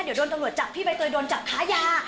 เดี๋ยวโดนตำรวจจับพี่ใบเตยโดนจับค้ายา